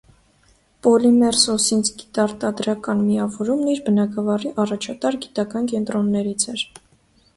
«Պոլիմերսոսինձ» գիտաարտադրական միավորումն իր բնագավառի առաջատար գիտական կենտրոններից էր։